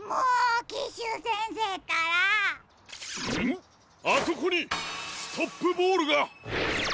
あそこにストップボールが！